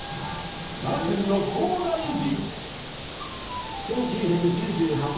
奈良県の東大寺。